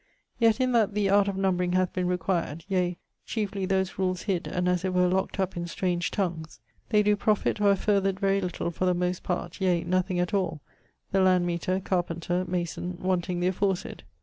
yet in that the art of numbring hath been required, yea, chiefly those rules hid and as it were locked up in strange tongues, they doe profit or have furthered very little, for the most part, yea, nothing at all, the landmeater, carpenter, mason, wanting the aforesayd.